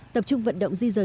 tập trung vận động di dời